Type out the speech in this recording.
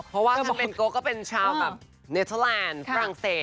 เพราะว่าท่านแวนโกะก็เป็นชาวกับเนเทอร์แลนด์ฟรั่งเซน